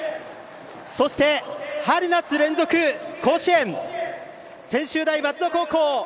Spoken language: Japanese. そして、春夏連続甲子園専修大松戸高校